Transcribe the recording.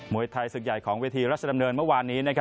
วยไทยศึกใหญ่ของเวทีรัชดำเนินเมื่อวานนี้